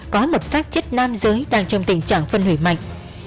có một sát chết nam giới đang trong tình trạng phân hủy mạnh